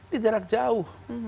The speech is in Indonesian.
di jarak jauh